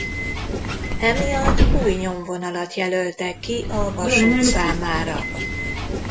Emiatt új nyomvonalat jelöltek ki a vasút számára.